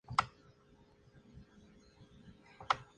Algunos de los que no, fueron expulsados debido a la paranoia.